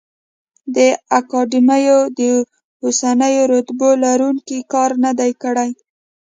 د اکاډمیو د اوسنیو رتبو لروونکي کار نه دی کړی.